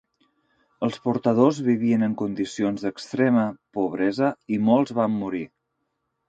Els portadors vivien en condicions d'extrema pobresa i molts van morir.